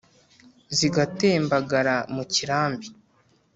zigatembagara mu kirambi